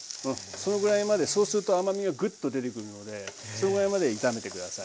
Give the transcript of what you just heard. そのぐらいまでそうすると甘みがグッと出てくるのでそのぐらいまで炒めて下さい。